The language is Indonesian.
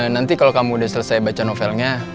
nanti kalau kamu udah selesai baca novelnya